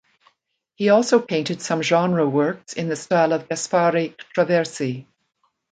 He also painted some genre works in the style of Gaspare Traversi.